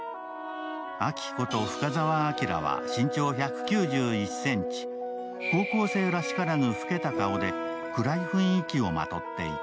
アキこと深沢暁は身長１９１ｃｍ、高校生らしからぬ老けた顔で、暗い雰囲気をまとっていた。